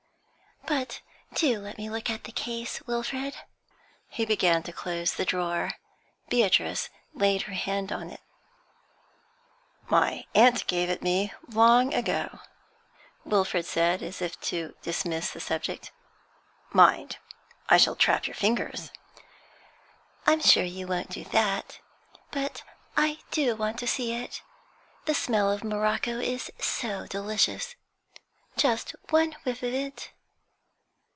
'But do let me look at the case, Wilfrid.' He began to close the drawer. Beatrice laid her hand on it. 'My aunt gave it me, long ago,' Wilfrid said, as if to dismiss the subject. 'Mind! I shall trap your fingers.' 'I'm sure you won't do that. But I do want to see it. The smell of morocco is so delicious. Just one whiff of it.'